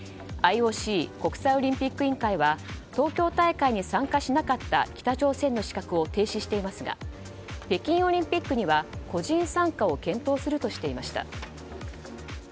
ＩＯＣ・国際オリンピック委員会は東京大会に参加しなかった北朝鮮の資格を停止していますが北京オリンピックには個人参加を検討するとしていました。